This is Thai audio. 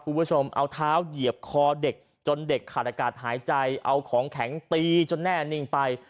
คุณผู้ชมเอาเท้าเหยียบคอเด็กจนเด็กขาดอากาศหายใจเอาของแข็งตีจนแน่นิ่งไป